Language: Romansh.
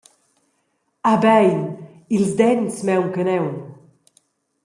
Ah bein, ils dents mauncan aunc.